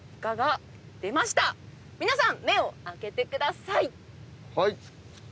皆さん目を開けてください。